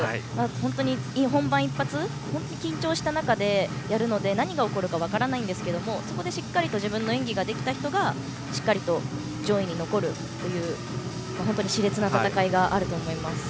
本当に本番一発緊張した中でやるので何が起こるか分からないんですけれどもそこでしっかり自分の演技ができた人がしっかりと上位に残るというしれつな戦いがあると思います。